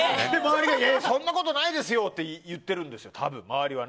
周りが、そんなことないですよと言ってるんですよ、周りは。